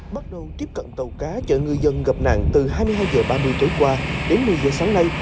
bắt đầu tiếp cận tàu cá chợ ngư dân gặp nạn từ hai mươi hai h ba mươi tối qua đến một mươi h sáng nay